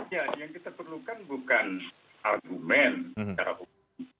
ya yang kita perlukan bukan argumen secara hukum